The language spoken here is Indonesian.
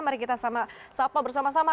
mari kita bersama sama